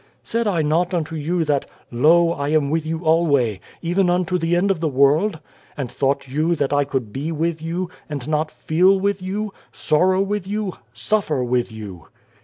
" Said I not unto you that, ' Lo, I am with you alway, even unto the end of the world '? and thought you, that I could be with you, and not feel with you, sorrow with you, suffer with you